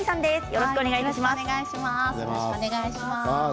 よろしくお願いします。